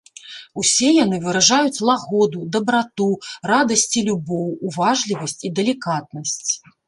Усе яны выражаюць лагоду, дабрату, радасць і любоў, уважлівасць і далікатнасць.